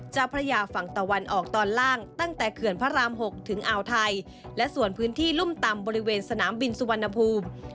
เจ้าพระยาฝั่งตะวันออกตอนล่างตั้งแต่เขื่อนพระราม๖ถึงอ่าวไทยและส่วนพื้นที่รุ่มต่ำบริเวณสนามบินสุวรรณภูมิ